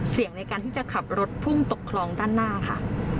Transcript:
ในการที่จะขับรถพุ่งตกคลองด้านหน้าค่ะ